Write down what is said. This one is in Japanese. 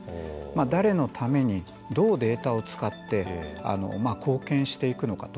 誰のために、どうデータを使って貢献していくのかと。